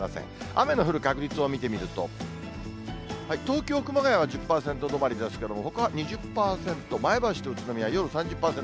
雨の降る確率を見てみると、東京、熊谷は１０％止まりですけれども、ほかは２０％、前橋と宇都宮、夜３０％。